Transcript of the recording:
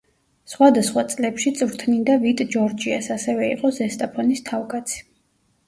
სხვადასხვა წლებში წვრთნიდა „ვიტ ჯორჯიას“, ასევე იყო „ზესტაფონის“ თავკაცი.